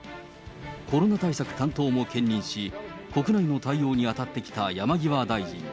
コロナ対策担当も兼任し、国内の対応に当たってきた山際大臣。